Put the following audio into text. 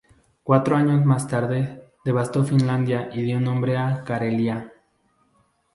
Cuatro años más tarde, devastó Finlandia y dio nombre a Karelia.